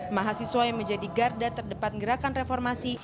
mahasiswa yang menjadi garda terdepan gerakan reformasi